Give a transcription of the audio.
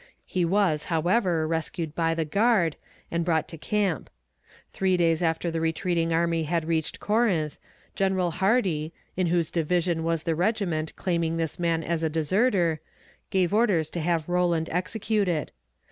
He was, however, rescued by the guard, and brought to camp. Three days after the retreating army had reached Corinth, General Hardee, in whose division was the regiment claiming this man as a deserter, gave orders to have Rowland executed.